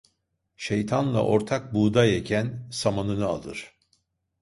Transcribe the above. Şeytanla ortak buğday eken samanını alır.